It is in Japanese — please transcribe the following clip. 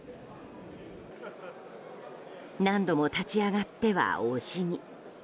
何度も立ち上がってはお辞儀。